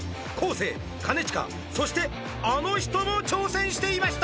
生兼近そしてあの人も挑戦していました